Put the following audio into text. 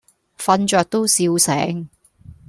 瞓著都笑醒